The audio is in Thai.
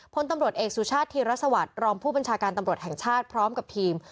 พลตำรวจเอกสุชาติธีรสวัสดิ์รองผู้บัญชาการตำรวจแห่งชาติพร้อมกับทีม